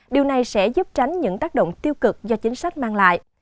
điều này sẽ giúp tránh những tác động tiêu cực do chính sách mang lại